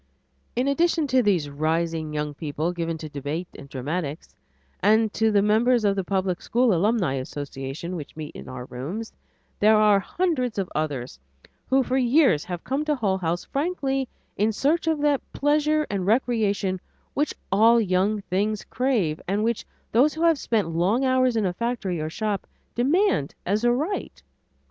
In addition to these rising young people given to debate and dramatics, and to the members of the public school alumni associations which meet in our rooms, there are hundreds of others who for years have come to Hull House frankly in search of that pleasure and recreation which all young things crave and which those who have spent long hours in a factory or shop demand as a right.